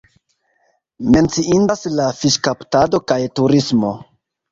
Menciindas la fiŝkaptado kaj turismo.